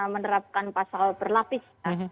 menerapkan pasal berlapis